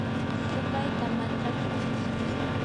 supaytam manchakuu